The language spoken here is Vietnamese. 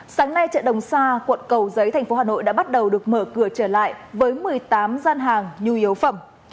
sáng nay chợ đồng sa quận cầu giấy thành phố hà nội đã bắt đầu được mở cửa trở lại với một mươi tám gian hàng nhu yếu phẩm